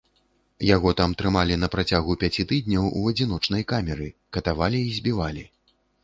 Яго там трымалі на працягу пяці тыдняў у адзіночнай камеры, катавалі і збівалі.